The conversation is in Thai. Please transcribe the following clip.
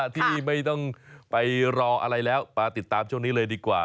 ที่ไม่ต้องไปรออะไรแล้วมาติดตามช่วงนี้เลยดีกว่า